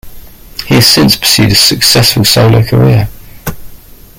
He has since pursued a successful solo career.